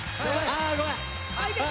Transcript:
あごめん。